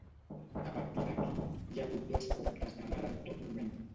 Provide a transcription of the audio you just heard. A partir d'aquí, hi ha hagut dos comtes de Mar en tot moment.